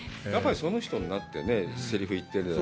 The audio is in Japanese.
その人になってね、せりふを言ってる。